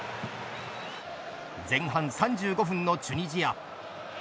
前半３５分のチュニジア。